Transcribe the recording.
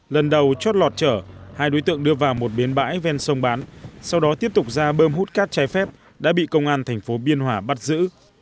lần đầu chót lọt trở hai đối tượng đưa vào một biến bãi ven sông bán sau đó tiếp tục ra bơm hút cát trái phép đã bị công an thành phố biên hòa bắt giữ